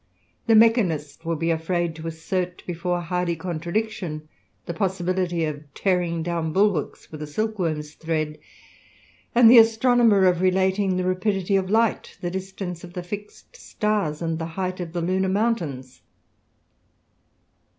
The mechanist will be afraid to assert before hardy contradiction, the possibility of tearing down bulwarks with a silkworm's thread ; and the astronomer of relating the rapidity of light, the distance of the fixed stars, and the height of the lunar mountains.